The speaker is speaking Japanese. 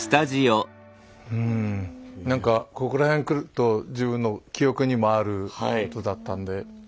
うんなんかここら辺くると自分の記憶にもあることだったんで。